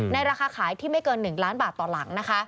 ราคาขายที่ไม่เกิน๑ล้านบาทต่อหลังนะคะ